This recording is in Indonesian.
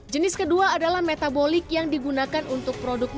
jenis kedua adalah metabolik yang digunakan untuk produksi